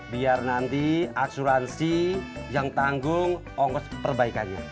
biar nanti asuransi yang tanggung ongkos perbaikannya